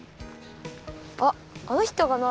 あっあの人かな？